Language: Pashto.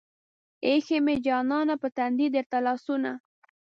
ايښې مې جانانه پۀ تندي درته لاسونه